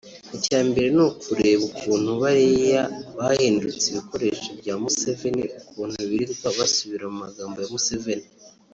Icya mbere ni ukureba ukuntu bariya bahindutse ibikoresho bya Museveni ukuntu birirwa basubira mu magambo ya Museveni